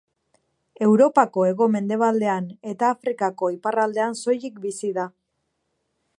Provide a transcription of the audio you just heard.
Europako hego-mendebaldean eta Afrikako iparraldean soilik bizi da.